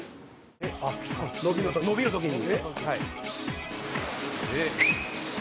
「伸びの時に」